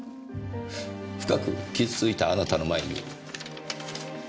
深く傷ついたあなたの前に。